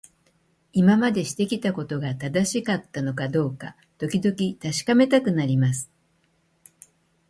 今までしてきたことが正しかったのかどうか、時々確かめたくなります。